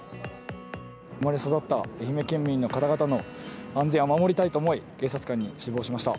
生まれ育った愛媛県民の方々の安全を守りたいと思い、警察官に志望しました。